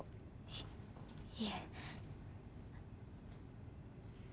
いいえ。